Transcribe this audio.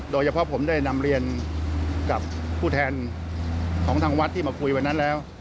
โดยเฉพาะผมได้นำเรียนกับผู้แทนของทางวัดที่มาคุยวันนั้นแล้ว